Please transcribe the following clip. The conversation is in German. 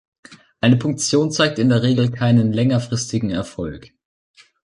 Eine Punktion zeigt in der Regel keinen längerfristigen Erfolg.